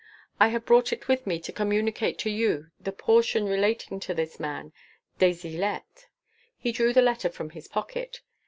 I have brought it with me to communicate to you the portion relating to this man des Ilettes." He drew the letter from his pocket.